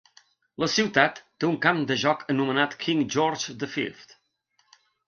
La ciutat té un camp de joc anomenat King George the Fifth.